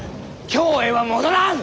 京へは戻らぬ！